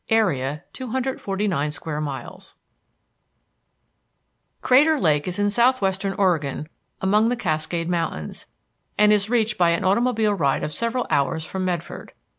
AREA, 249 SQUARE MILES Crater Lake is in southwestern Oregon among the Cascade Mountains, and is reached by an automobile ride of several hours from Medford.